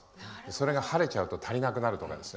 それが晴れちゃうと足りなくなるとか。